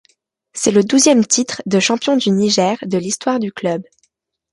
C'est le douzième titre de champion du Niger de l'histoire du club.